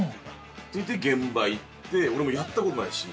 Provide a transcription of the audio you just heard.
で、現場行って、俺もやったことないし。